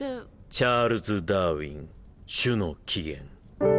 チャールズ・ダーウィン『種の起源』。